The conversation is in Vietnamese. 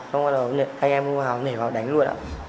xong rồi anh em cũng vào nhảy vào đánh luôn ạ